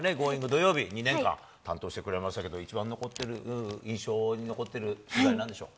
土曜日、２年間担当してくれましたけど、一番残ってる、印象に残ってる取材、なんでしょう？